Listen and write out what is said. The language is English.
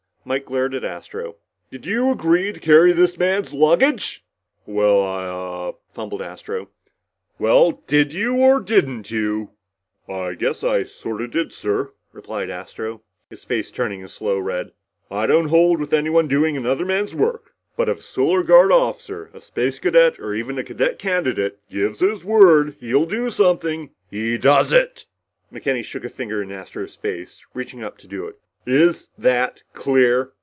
Mike glared at Astro. "Did you agree to carry this man's luggage?" "Well I ah " fumbled Astro. "Well? Did you or didn't you?" "I guess I sorta did, sir," replied Astro, his face turning a slow red. "I don't hold with anyone doing another man's work, but if a Solar Guard officer, a Space Cadet, or even a cadet candidate gives his word he'll do something, he does it!" McKenny shook a finger in Astro's face, reaching up to do it. "Is that clear?"